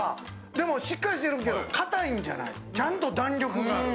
でもしっかりしてるけどかたいんじゃない、ちゃんと弾力がある。